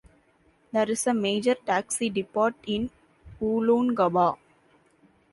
There is a major taxi depot in Woolloongabba.